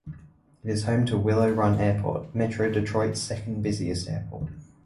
It is home to Willow Run Airport, Metro Detroit's second busiest airport.